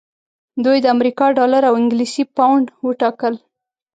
دوی د امریکا ډالر او انګلیسي پونډ وټاکل.